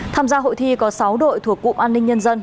tham gia hội thi có sáu đội thuộc cụm an ninh nhân dân